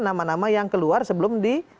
nama nama yang keluar sebelum di